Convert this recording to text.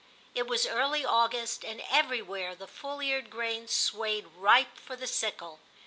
It was early August, and everywhere the full eared grain swayed ripe for the sickle.